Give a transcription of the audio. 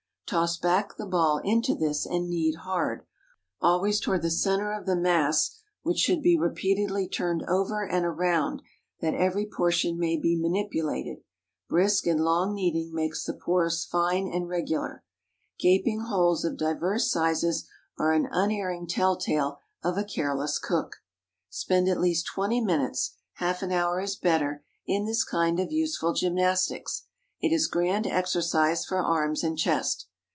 Toss back the ball into this, and knead hard—always toward the centre of the mass, which should be repeatedly turned over and around, that every portion may be manipulated. Brisk and long kneading makes the pores fine and regular. Gaping holes of diverse sizes are an unerring tell tale of a careless cook. Spend at least twenty minutes—half an hour is better—in this kind of useful gymnastics. It is grand exercise for arms and chest.